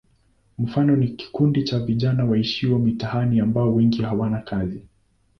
Mfano ni kikundi cha vijana waishio mitaani ambao wengi hawana kazi.